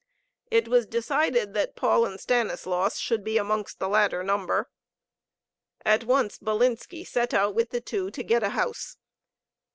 It was decided that Paul and Stanislaus should be amongst the latter number. At once Bilinski set out with the two to get a house.